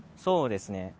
そうですね。